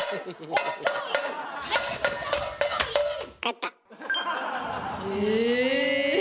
帰った。え？